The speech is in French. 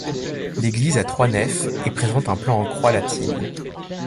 L'église a trois nefs et présente un plan en croix latine.